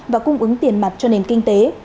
và cung ứng tiền mặt cho nền kinh tế